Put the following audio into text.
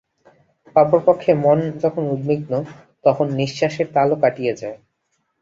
অপরপক্ষে মন যখন উদ্বিগ্ন, তখন নিঃশ্বাসের তালও কাটিয়া যায়।